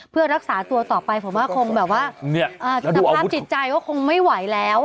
เพื่อรักษาตัวต่อไปผมว่าคงแบบว่าสภาพจิตใจก็คงไม่ไหวแล้ว